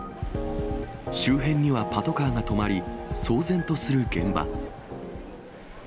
周辺にはパトカーが止まり、騒然とする現場。